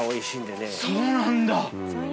そうなんだ。